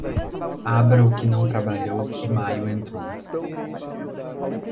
Abra o que não trabalhou, que maio entrou.